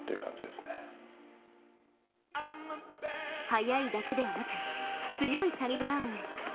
速いだけではなく強いサニブラウンへ。